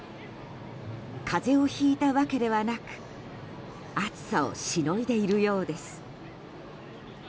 風邪をひいたわけではなく暑さをしのいでいるようです。